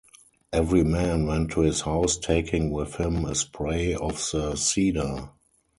Every man went to his house taking with him a spray of the cedar.